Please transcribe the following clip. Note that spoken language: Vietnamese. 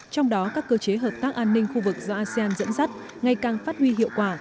trong đó các cơ chế hợp tác an ninh khu vực do asean dẫn dắt ngày càng phát huy hiệu quả